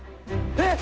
えっ！